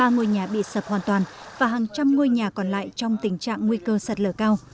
ba ngôi nhà bị sập hoàn toàn và hàng trăm ngôi nhà còn lại trong tình trạng nguy cơ sạt lở cao